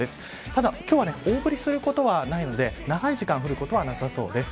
ただ、今日は大振りすることはないので長い時間降ることはなさそうです。